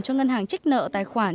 cho ngân hàng trích nợ tài khoản